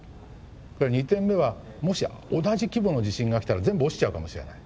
２点目はもし同じ規模の地震が来たら全部落ちちゃうかもしれない。